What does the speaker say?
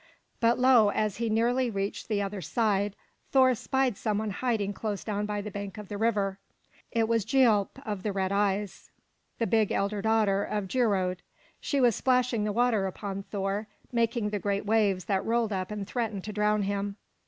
But lo! as he nearly reached the other side, Thor spied some one hiding close down by the bank of the river. It was Gialp of the red eyes, the big elder daughter of Geirröd. She was splashing the water upon Thor, making the great waves that rolled up and threatened to drown him.